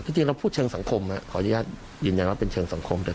แต่พูดชังสะกมของขออนุญาตยินยังว่าเป็นชังสะกม